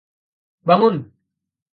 Bangun!